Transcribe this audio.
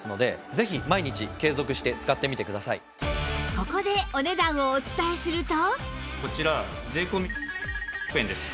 ここでお値段をお伝えすると